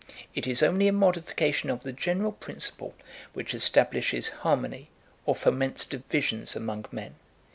It is only a modification of the general principle, which establishes harmony or foments divisions among men.